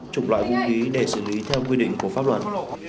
trục loại vũ khí để xử lý theo quy định của pháp luận